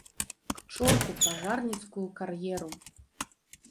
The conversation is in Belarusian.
К чорту пажарніцкую кар'еру!